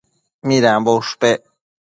Midambo ushpec